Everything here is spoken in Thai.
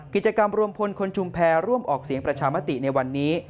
กิจกรรมรวมพลคนชุมแพรร่วมออกเสียงประชามติในวันนี้